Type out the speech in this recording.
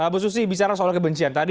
bu susi bicara soal kebencian tadi